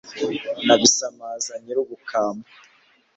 Na Bisamaza nyiri Ubukamba